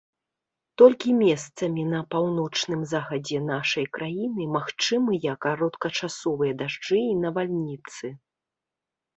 Толькі месцамі на паўночным захадзе нашай краіны магчымыя кароткачасовыя дажджы і навальніцы.